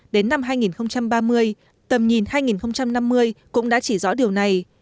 đến năm hai nghìn ba mươi tầm nhìn hai nghìn năm mươi cũng đã chỉ rõ điều này